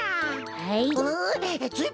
はい。